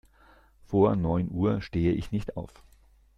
Vor neun Uhr stehe ich nicht auf.